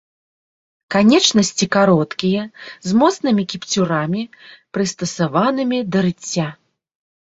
Канечнасці кароткія, з моцнымі кіпцюрамі, прыстасаванымі да рыцця.